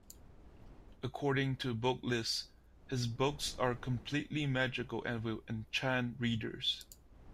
According to "Booklist", his books are "completely magical" and "will enchant readers.